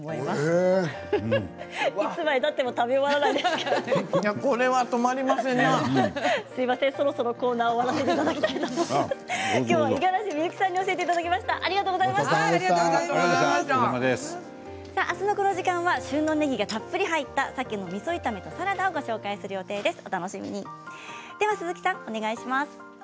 あすのこの時間は旬のねぎがたっぷり入ったさけのみそ炒めとサラダをご紹介します。